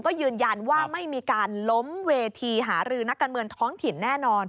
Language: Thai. ก็ยืนยันว่าไม่มีการล้มเวทีหารือนักการเมืองท้องถิ่นแน่นอน